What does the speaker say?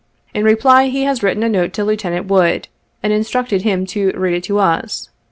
In reply, he has written a note to Lieutenant Wood, and instructed him to read it to us.